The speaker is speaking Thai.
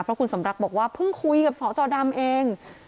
เพราะคุณสมรักบอกว่าเพิ่งคุยกับสจดำเอง